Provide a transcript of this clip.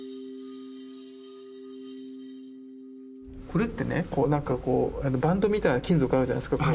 これってね何かこうバンドみたいな金属あるじゃないですか。